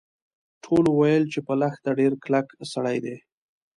ټولو ویل چې په لښته ډیر کلک سړی دی.